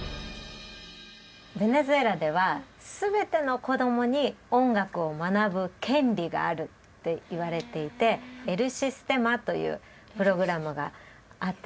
ベネズエラでは全ての子どもに音楽を学ぶ権利があるっていわれていて「エル・システマ」というプログラムがあってですね